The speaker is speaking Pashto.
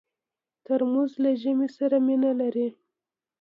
ترموز له ژمي سره مینه لري.